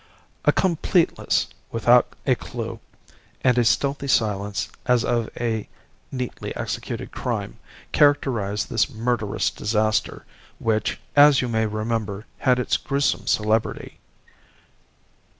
"A completeness without a clue, and a stealthy silence as of a neatly executed crime, characterise this murderous disaster, which, as you may remember, had its gruesome celebrity.